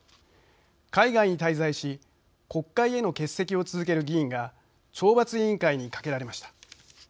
海外に滞在し国会への欠席を続ける議員が懲罰委員会にかけられました。